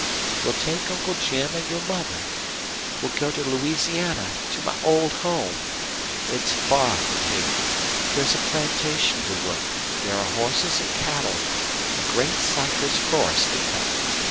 We'll take Uncle Jim and your mother. We'll go to Louisiana to my old home. It's far from here. There's a plantation to work. There are horses and cattle a great cypress forest to cut.